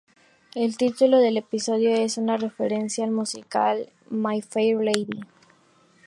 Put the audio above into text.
El título del episodio es una referencia al musical "My Fair Lady".